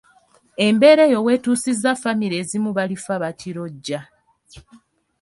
Embeera eyo wetuusizza famire ezimu balifa bakirojja!